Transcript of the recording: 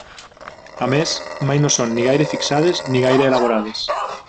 A més, mai no són ni gaire fixades ni gaire elaborades.